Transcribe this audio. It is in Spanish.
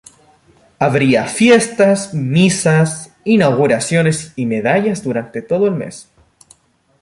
Habría fiestas, misas, inauguraciones y medallas durante todo el mes.